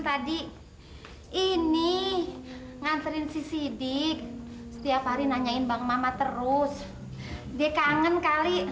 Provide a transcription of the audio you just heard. tadi ini nganterin si sidik setiap hari nanyain bang mama terus dia kangen kali